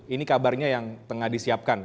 ini kabarnya yang tengah disiapkan